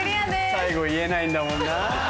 最後言えないんだもんな。